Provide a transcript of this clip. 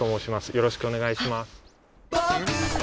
よろしくお願いします。